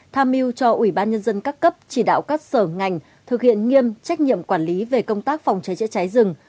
tham mưu cho ủy ban nhân dân các cấp chỉ đạo các sở ngành thực hiện nghiêm trách nhiệm quản lý về công tác phòng cháy chữa cháy rừng